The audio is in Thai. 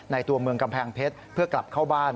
ตัวเมืองกำแพงเพชรเพื่อกลับเข้าบ้าน